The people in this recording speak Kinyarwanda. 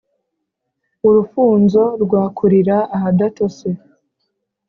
urufunzo rwakurira ahadatose’